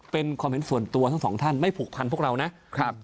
เป็นความเห็นส่วนตัวทั้งสองท่านไม่ผูกพันพวกเรานะครับ